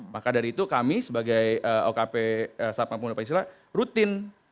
maka dari itu kami sebagai okp satpam pemuda pancasila rutin